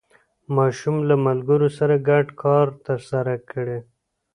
ماشوم له ملګرو سره ګډ کار ترسره کړ